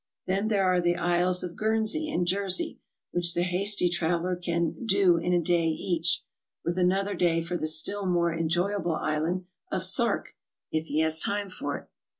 Then there are the islands of Guernsey and Jersey, whidh the hasty traveler can "do" in a day eadh, with another day for the s'till more en joyable island of Sark if he has time for it.